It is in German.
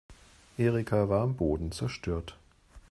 Erika war am Boden zerstört.